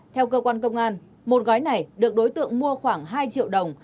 theo cơ quan công an một gói này được đối tượng mua khoảng hai triệu đồng